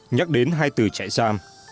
nhắc đến hai từ chạy giam